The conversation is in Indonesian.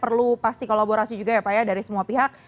perlu pasti kolaborasi juga ya pak ya dari semua pihak